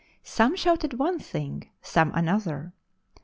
Some shouted one thing, some another.